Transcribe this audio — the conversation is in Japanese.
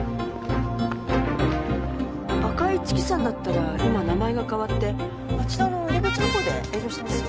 赤い月さんだったら今名前が変わってあちらの入り口のほうで営業してますよ。